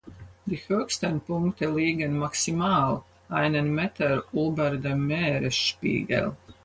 Die höchsten Punkte liegen maximal einen Meter über dem Meeresspiegel.